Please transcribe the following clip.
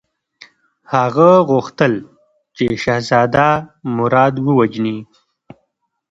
هغه غوښتل چې شهزاده مراد ووژني.